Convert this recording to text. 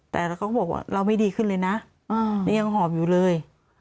แต่เขาก็บอกว่าเราไม่ดีขึ้นเลยนะนี่ยังหอบอยู่เลย